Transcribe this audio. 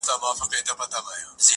• هر واعظ وي په صفت ستونی څیرلی -